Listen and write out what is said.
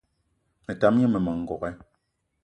Me tam gne mmema n'gogué